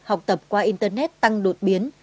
học tập qua internet tăng đột biến